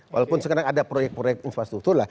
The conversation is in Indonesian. walaupun sekarang ada proyek proyek infrastruktur lah